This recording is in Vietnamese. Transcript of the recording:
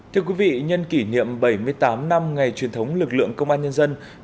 thưa quý vị nhân kỷ niệm bảy mươi tám năm ngày truyền thống lực lượng công an nhân dân